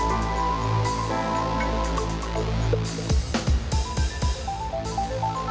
เรื่องเป็นต่อยังไงครับคุณต้าว่ะ